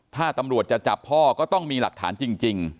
ถ้าตำรวจจะจับพ่อก็ต้องมีหลักฐานจริง